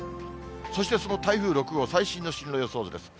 そしてその台風６号、最新の進路予想図です。